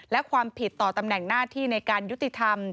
และความผิดต่อตำแหน่งหน้าที่ในการยุติธรรม